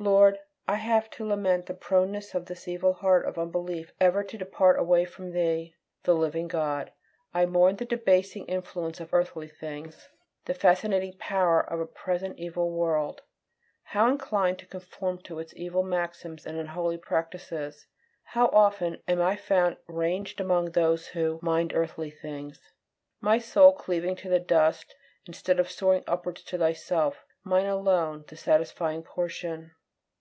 Lord, I have to lament the proneness of this evil heart of unbelief ever to depart away from Thee, the living God. I mourn the debasing influence of earthly things; the fascinating power of a present evil world. How inclined to conform to its evil maxims and unholy practices! How often am I found ranged among those who "mind earthly things;" my soul cleaving to the dust, instead of soaring upwards to Thyself, my alone satisfying portion!